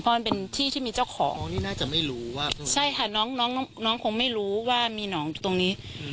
เพราะมันเป็นที่ที่มีเจ้าของนี่น่าจะไม่รู้ว่าใช่ค่ะน้องน้องคงไม่รู้ว่ามีหนองอยู่ตรงนี้